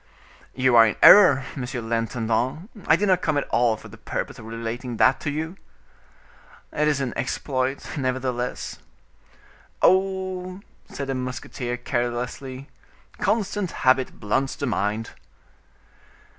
"You are in error, monsieur l'intendant, I did not at all come for the purpose of relating that to you." "It is an exploit, nevertheless." "Oh!" said the musketeer carelessly, "constant habit blunts the mind."